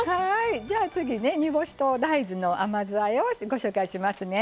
じゃあ次ね煮干しと大豆の甘酢あえをご紹介しますね。